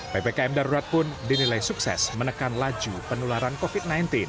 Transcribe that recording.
ppkm darurat pun dinilai sukses menekan laju penularan covid sembilan belas